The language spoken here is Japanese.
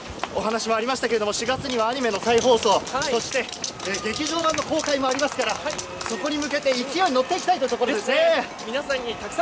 今、お話もありましたけれど４月にはアニメの再放送、そして劇場版の公開もありますから、そこに向けて勢いに乗っていきたいというところですね。